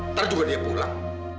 ntar juga dia pulang